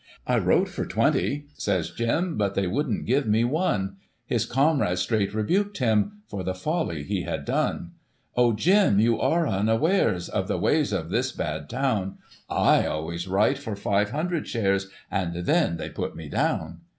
' I wrote for twenty,' says Jim, * But they wouldn't give me one '; His comrade straight rebuked him For the folly he had done :"* Oh, Jim, you are unawares Of the ways of this bad town; 7 always write for five hundred shares. And tketiy they put me down.'